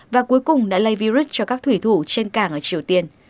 và cuối cùng đã lây virus cho các thủy thủ trên cảng ở triều tiên